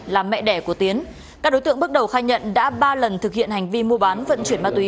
là mẹ đẻ của tiến các đối tượng bước đầu khai nhận đã ba lần thực hiện hành vi mua bán vận chuyển ma túy